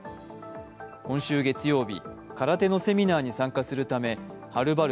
今週月曜日、空手のセミナーに参加するためはるばる